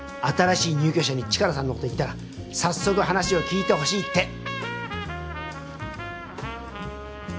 新しい入居者にチカラさんの事を言ったら早速話を聞いてほしいって。